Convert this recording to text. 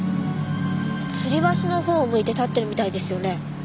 つり橋のほうを向いて立ってるみたいですよね。